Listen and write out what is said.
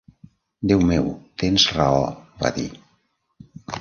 "Déu meu, tens raó", va dir.